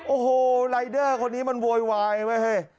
โอ้โหรายเดอร์คนนี้มันโวยวายไว้เฮ้ย